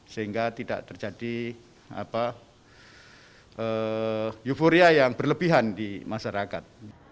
sehingga tidak terjadi euforia yang berlebihan di masyarakat